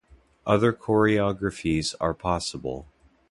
Other choreographies are possible.